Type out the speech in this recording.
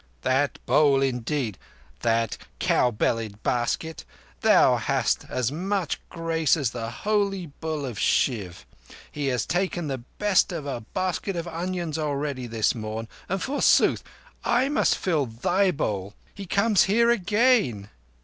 "That bowl indeed! That cow bellied basket! Thou hast as much grace as the holy bull of Shiv. He has taken the best of a basket of onions already, this morn; and forsooth, I must fill thy bowl. He comes here again."